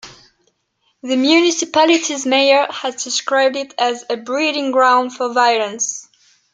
The municipality's mayor has described it as "a breeding ground for violence".